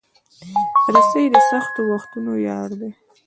رسۍ د سختو وختونو یار ده.